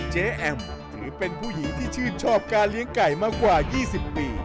แอมถือเป็นผู้หญิงที่ชื่นชอบการเลี้ยงไก่มากว่า๒๐ปี